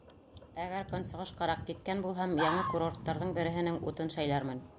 Әгәр көнсығышҡараҡ киткән булһам, яңы курорттарҙың береһенең утын шәйләрмен.